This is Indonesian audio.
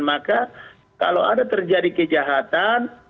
maka kalau ada terjadi kejahatan